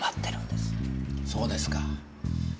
そうですか。